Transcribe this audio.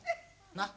なっ？